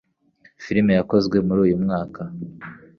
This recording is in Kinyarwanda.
Filime yakozwe mu uru uyu mwaka